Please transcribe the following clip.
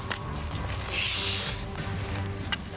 よし。